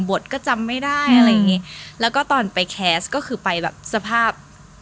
บทก็จำไม่ได้อะไรอย่างงี้แล้วก็ตอนไปแคสต์ก็คือไปแบบสภาพ